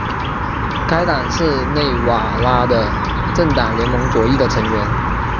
该党是纳瓦拉的政党联盟左翼的成员。